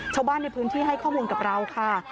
ชาวบ้านในพื้นที่ให้ข้อมูลกับเราค่ะ